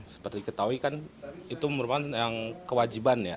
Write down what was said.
seperti kita tahu kan itu merupakan yang kewajiban ya